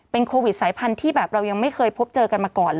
โควิดสายพันธุ์ที่แบบเรายังไม่เคยพบเจอกันมาก่อนเลย